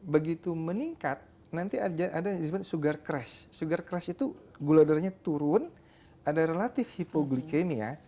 begitu meningkat nanti ada yang disebut sugar crash sugar crash itu gula darahnya turun ada relatif hipoglikemia